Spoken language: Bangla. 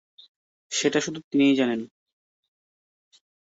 সেটা শুধু তিনিই জানেন।